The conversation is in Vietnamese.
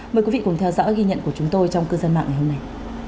mời quý vị cùng theo dõi ghi nhận của chúng tôi trong cư dân mạng ngày hôm nay